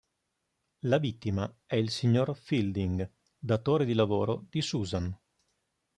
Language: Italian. La vittima è il signor Fielding, datore di lavoro di Susan.